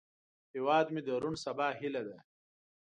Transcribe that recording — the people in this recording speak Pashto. هیواد مې د روڼ سبا هیله ده